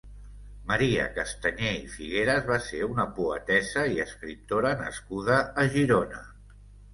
Maria Castanyer i Figueras va ser una poetessa i escriptora nascuda a Girona.